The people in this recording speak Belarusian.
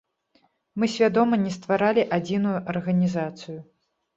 Мы свядома не стваралі адзіную арганізацыю.